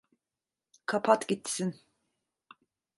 Kapat gitsin.